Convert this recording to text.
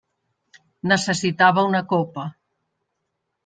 Necessitava una copa.